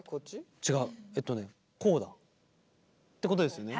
えっとねこうだ。ってことですよね？